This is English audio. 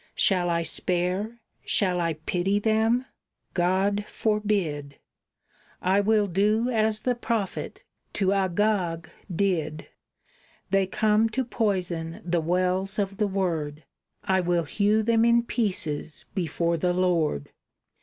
Shall I spare? Shall I pity them? God forbid! I will do as the prophet to Agag did: They come to poison the wells of the Word, I will hew them in pieces before the Lord!"